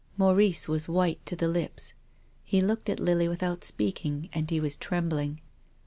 Maurice was white to the lips. He looked at Lily without speaking, and he was trembling.